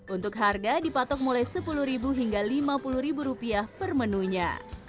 untuk harga dipatok mulai sepuluh hingga rp lima puluh per menunya